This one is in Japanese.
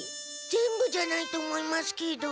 全部じゃないと思いますけど。